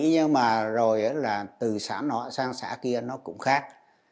nhưng mà rồi từ xã nó sang xã kia nó cũng khác